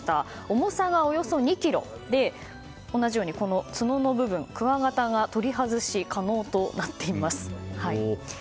重さがおよそ２ｋｇで同じように、角の部分くわがたが取り外し可能となっています。